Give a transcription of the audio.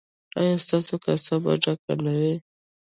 ایا ستاسو کاسه به ډکه نه وي؟